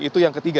itu yang ketiga